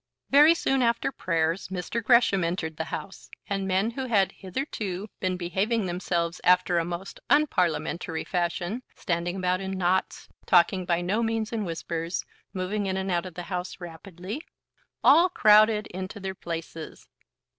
Very soon after prayers Mr. Gresham entered the House, and men who had hitherto been behaving themselves after a most unparliamentary fashion, standing about in knots, talking by no means in whispers, moving in and out of the House rapidly, all crowded into their places.